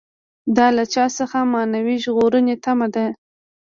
دا له چا څخه معنوي ژغورنې تمه ده.